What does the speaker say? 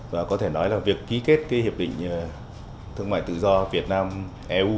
và có thể nói là việc ký kết cái hiệp định thương mại tự do việt nam eu